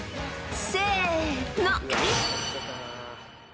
［せの］